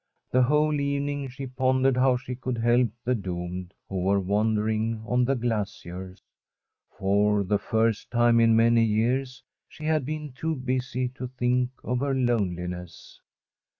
The whole evening she pondered how she could help the doomed who were wandering on the glaciers. For the first time in many years she had been too busy to think of her loneliness.